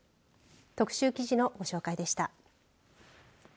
特集記事のご紹介でした。